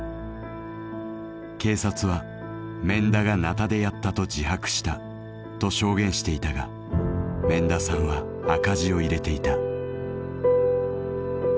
警察は「免田が鉈でやったと自白した」と証言していたが免田さんは赤字を入れていた。